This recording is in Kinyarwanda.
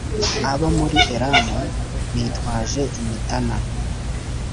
Abo muri Elamu bitwaje imitana,